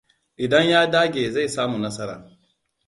Idan ya dage zai samu nasara.